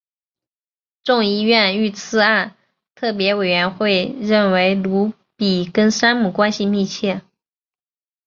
众议院遇刺案特别委员会认为鲁比跟山姆关系密切。